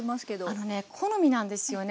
あのね好みなんですよね